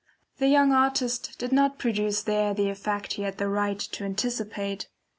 The young artist did not produce there the effect he had the right to anticipate.